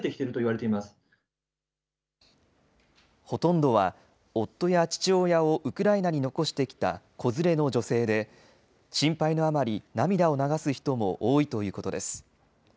ほとんどは夫や父親をウクライナに残してきた子連れの女性で、心配のあまり涙を流す人も多いということです。